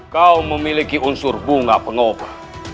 kau memiliki unsur bunga pengobat